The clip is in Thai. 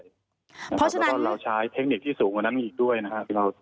แล้วก็เราใช้เทคนิคที่สูงกว่านั้นอีกด้วยนะครับ